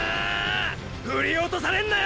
ふりおとされんなよ！！